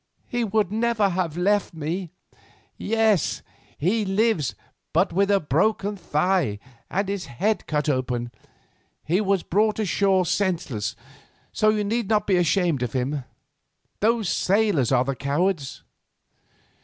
He would never have left me." "Yes, he lives, but with a broken thigh and his head cut open. He was brought ashore senseless, so you need not be ashamed of him. Those sailors are the cowards."